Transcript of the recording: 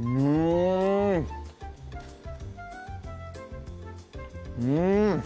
うんうん！